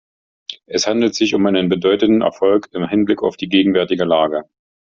Es handelt sich um einen bedeutenden Erfolg im Hinblick auf die gegenwärtige Lage.